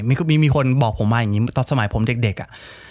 มีคนบอกผมมาอย่างนี้ตอนสมัยผมเด็กอ่ะ